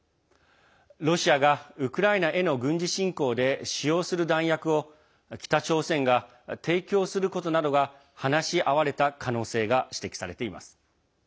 ロシアがウクライナへの軍事侵攻で使用する弾薬を北朝鮮が提供することなどが話し合われた可能性が指摘されています。